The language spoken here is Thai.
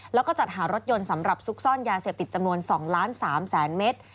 แล้วก็จัดหารถยนต์สำหรับซุกซ่อนยาเสพติดจำนวน๒ล้าน๓แสนเมตร